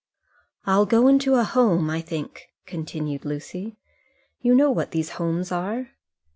"I'll go into a home, I think," continued Lucy. "You know what those homes are?"